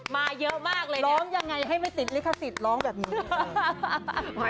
มาเยอะมากเลยร้องยังไงให้ไม่ติดลิขสิทธิ์ร้องแบบนี้